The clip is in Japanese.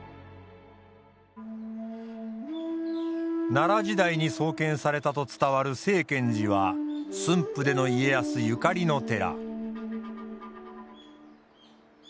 奈良時代に創建されたと伝わる清見寺は駿府での家康ゆかりの寺。